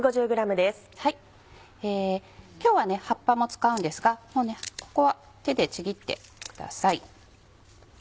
今日は葉っぱも使うんですがここは手でちぎってください。